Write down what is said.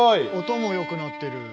音も良くなってる。